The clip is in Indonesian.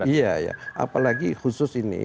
iya apalagi khusus ini